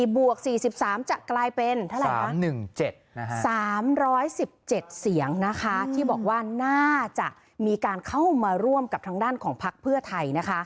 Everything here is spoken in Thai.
บวก๔๓จะกลายเป็น๓๑๗เสียงนะคะที่บอกว่าน่าจะมีการเข้ามาร่วมกับทางด้านของพักเพื่อไทยนะคะ